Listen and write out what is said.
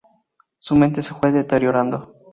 Su mente se fue deteriorando.